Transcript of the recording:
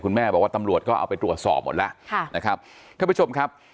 แม่บอกว่าตำรวจก็เอาไปตรวจสอบหมดแล้วค่ะนะครับท่านผู้ชมครับ